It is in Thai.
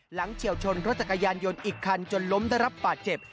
เฉียวชนรถจักรยานยนต์อีกคันจนล้มได้รับบาดเจ็บ